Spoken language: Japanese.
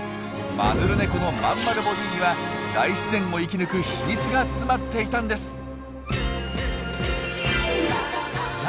マヌルネコのまんまるボディーには大自然を生き抜く秘密が詰まっていたんです！